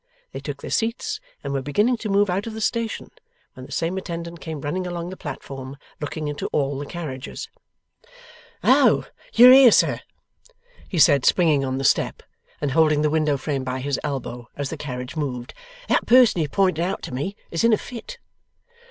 They took their seats, and were beginning to move out of the station, when the same attendant came running along the platform, looking into all the carriages. 'Oh! You are here, sir!' he said, springing on the step, and holding the window frame by his elbow, as the carriage moved. 'That person you pointed out to me is in a fit.